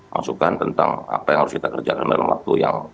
masukan tentang apa yang harus kita kerjakan dalam waktu yang